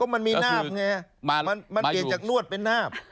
มันมีนาบไงมันเปลี่ยนจากนวดเป็นนาบ